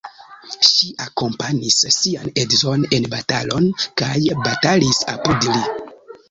Ŝi akompanis sian edzon en batalon kaj batalis apud li.